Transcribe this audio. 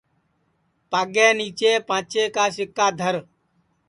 پاگے نیچے پانٚچے کا سِکا دھر